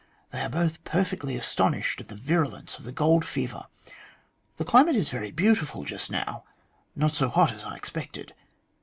They are both perfectly astonished at the virulence of the gold fever. The climate is very beautiful just now, not so hot as I expected.